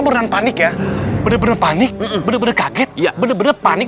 merenang panik ya bener bener panik bener bener kaget ya bener bener panik